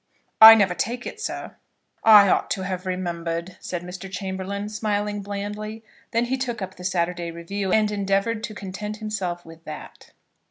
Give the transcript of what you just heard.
"I never take it, sir." "I ought to have remembered," said Mr. Chamberlaine, smiling blandly. Then he took up the Saturday Review, and endeavoured to content himself with that.